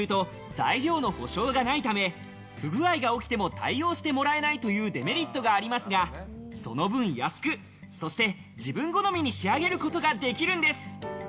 つまり施主支給をすると材料の保証がないため、不具合が起きても対応してもらえないというデメリットがありますが、その分安く自分好みに仕上げることができるんです。